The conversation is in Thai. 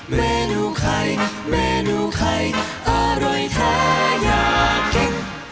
เมนูไข่เมนูไข่อร่อยแท้อยากเก่ง